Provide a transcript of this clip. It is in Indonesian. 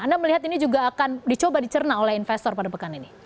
anda melihat ini juga akan dicoba dicerna oleh investor pada pekan ini